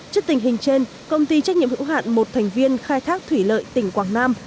trước tình hình trên công ty trách nhiệm hữu hạn một thành viên khai thác thủy lợi tỉnh quảng nam